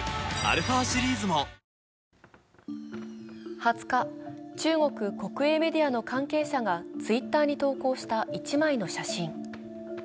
２０日、中国・国営メディアの関係者がＴｗｉｔｔｅｒに投稿した１枚の写真。